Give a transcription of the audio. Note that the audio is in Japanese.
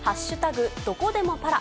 どこでもパラ」。